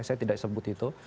saya tidak sebut itu